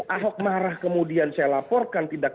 ahok marah kemudian saya laporkan tidak